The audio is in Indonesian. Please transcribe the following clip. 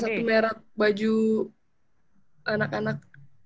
itu salah satu merek baju anak anak